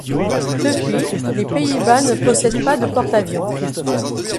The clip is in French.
Depuis, les Pays-Bas ne possèdent pas de porte-avions.